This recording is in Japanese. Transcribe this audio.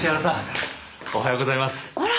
あら。